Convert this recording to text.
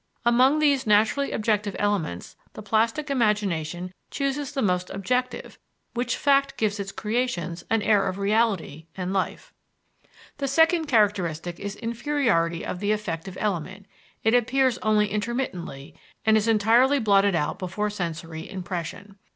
Among these naturally objective elements the plastic imagination chooses the most objective, which fact gives its creations an air of reality and life. The second characteristic is inferiority of the affective element; it appears only intermittently and is entirely blotted out before sensory impression.